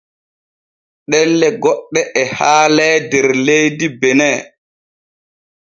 Ɗelle goɗɗe e haalee der leydi Bene.